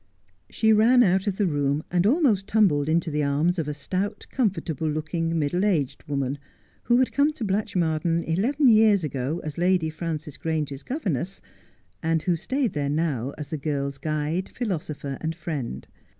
She ran out of the room, and almost tumbled into the arms of a stout, comfortable looking, middle aged woman, who had come to Blatchmardean eleven years ago as Lady Frances Grange's governess, and who stayed there now as the girl's guide, philosopher, and friend.